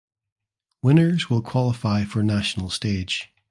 Winners will qualify for National Stage.